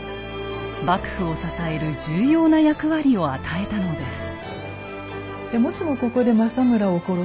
幕府を支える重要な役割を与えたのです。